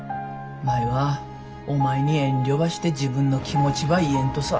舞はお前に遠慮ばして自分の気持ちば言えんとさ。